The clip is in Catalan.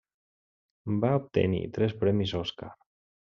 Va obtenir tres premis Oscar.